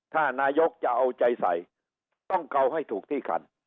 ถ้านายกจะเอาใจใส่ต้องเกาให้ถูกที่คัน